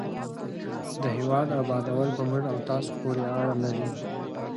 د هېواد ابادول په موږ او تاسو پورې اړه لري.